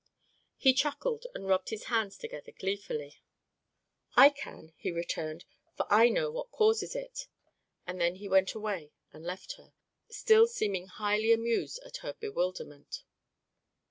He chuckled and rubbed his hands together gleefully. "I can," he returned, "for I know what causes it." And then he went away and left her, still seeming highly amused at her bewilderment.